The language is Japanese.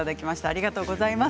ありがとうございます。